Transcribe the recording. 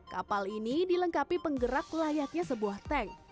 kapal ini dilengkapi penggerak layaknya sebuah tank